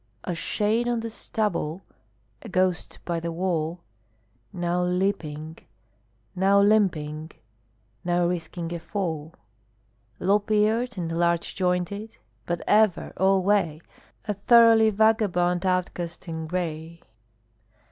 A shade on the stubble, a ghost by the wall, Now leaping, now limping, now risking a fall, Lop eared and large jointed, but ever alway A thoroughly vagabond outcast in gray.